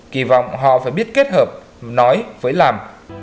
kỳ vọng họ phải biết kết hợp nói với làm